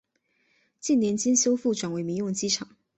近年经修复转为民用机场。